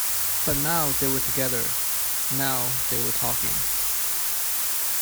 But now they were together; now they were talking.